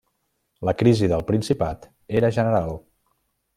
La crisi del Principat era general.